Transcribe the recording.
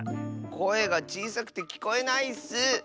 こえがちいさくてきこえないッス！